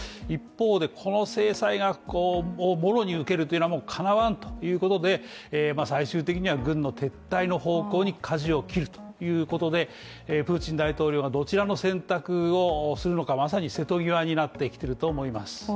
一方で、この制裁をもろに受けるというのはかなわんということで、最終的には軍の撤退の方向にかじを切るということでプーチン大統領がどちらの選択をするのか、まさに瀬戸際になってきてると思います。